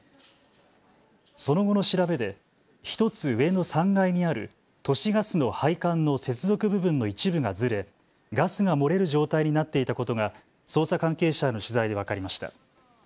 その後の調べで１つ上の３階にある都市ガスの配管の接続部分の一部がずれ、ガスが漏れる状態になっていたことが捜査関係者への取材で分かりました。